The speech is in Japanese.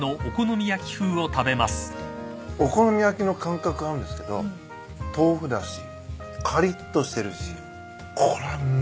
お好み焼きの感覚あるんですけど豆腐だしかりっとしてるしこれうまいわ。